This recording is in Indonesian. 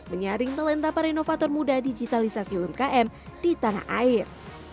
menyaring talenta para inovator muda digitalisasi umkm di tanah air